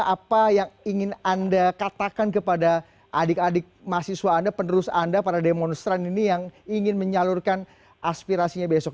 apa yang ingin anda katakan kepada adik adik mahasiswa anda penerus anda para demonstran ini yang ingin menyalurkan aspirasinya besok